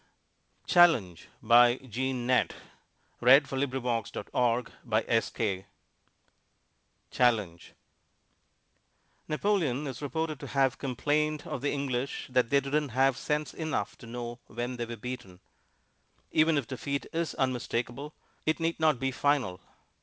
"Songs of the Average Man." [Illustration: SAM WALTER FOSS] CHALLENGE Napoleon is reported to have complained of the English that they didn't have sense enough to know when they were beaten. Even if defeat is unmistakable, it need not be final.